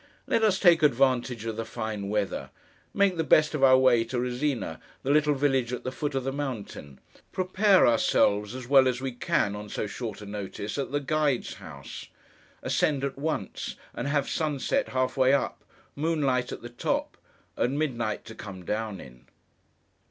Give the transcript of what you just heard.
Let us take advantage of the fine weather; make the best of our way to Resina, the little village at the foot of the mountain; prepare ourselves, as well as we can, on so short a notice, at the guide's house; ascend at once, and have sunset half way up, moonlight at the top, and midnight to come down in!